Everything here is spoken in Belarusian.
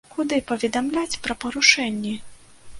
Куды паведамляць пра парушэнні?